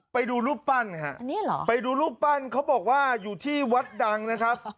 ไปดูรูปปั้นฮะไปดูรูปปั้นเขาบอกว่าอยู่ที่วัดดังนะครับ